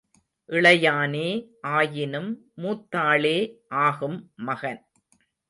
இளையானே ஆயினும் மூத்தாளே ஆகும் மகன்.